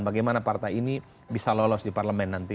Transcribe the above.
bagaimana partai ini bisa lolos di parlemen nanti